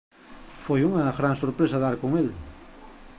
Foi unha gran sorpresa dar con el.